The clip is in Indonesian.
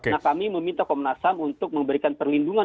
nah kami meminta komnas ham untuk memberikan perlindungan